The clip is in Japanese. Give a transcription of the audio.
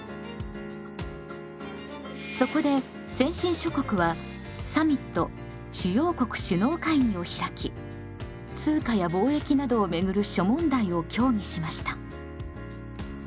そこで先進諸国はサミットを開き通貨や貿易などをめぐる諸問題を協議しました。